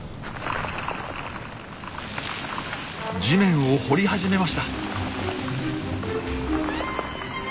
地面を掘り始めました。